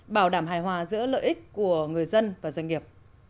bảo đảm hài hòa giữa lợi ích của người dân và doanh nghiệp